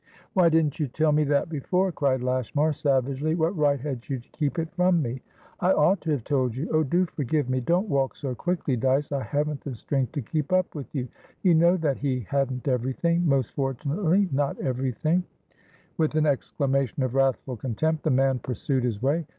"Why didn't you tell me that before?" cried Lashmar, savagely. "What right had you to keep it from me?" "I ought to have told you. Oh, do forgive me! Don't walk so quickly, Dyce! I haven't the strength to keep up with you. You know that he hadn't everythingmost fortunately not everything" With an exclamation of wrathful contempt, the man pursued his way.